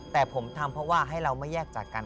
แต่ผมทำเพราะว่าให้เราไม่แยกจากกัน